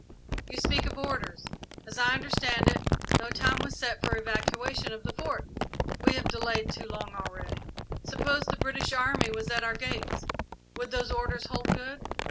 You speak of orders. As I understand it, no time was set for the evacuation of the Fort?" "We have delayed too long already." "Suppose the British army was at our gates would those orders hold good?"